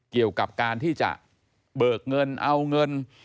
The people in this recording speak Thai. เกี่ยวกับการที่จะเบิกเงินเอาเงิน